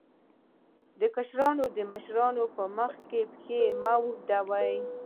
کشران د مشرانو په مخ کې پښې نه اوږدوي.